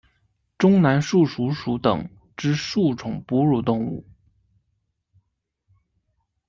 中南树鼠属等之数种哺乳动物。